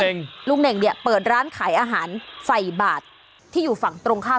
แล้วค่ะลุงเน่งลุงเน่งเนี่ยเปิดร้านขายอาหารไฟบาทที่อยู่ฝั่งตรงข้าม